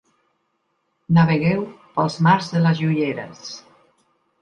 Navegueu pels mars de les joieres.